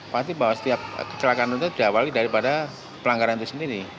pasti bahwa setiap kecelakaan itu diawali daripada pelanggaran itu sendiri